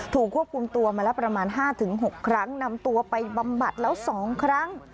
ถูกควบคุมตัวมาแล้วประมาณ๕๖ครั้งนำตัวไปบำบัดแล้ว๒ครั้ง